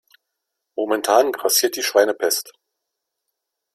Momentan grassiert die Schweinepest.